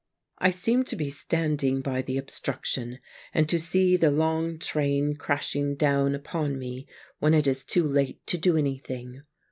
I seem to be stand ing by the obstruction, and to see the long train crashing down upon me when it is too late to do any thing.